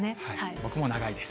僕も長いです。